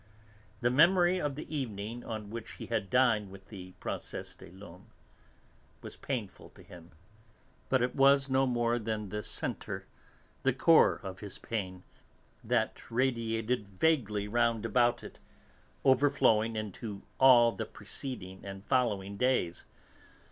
The memory of the evening on which he had dined with the Princesse des Laumes was painful to him, but it was no more than the centre, the core of his pain. That radiated vaguely round about it, overflowing into all the preceding and following days.